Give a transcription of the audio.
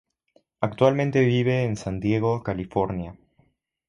Actualmente vive en San Diego, California.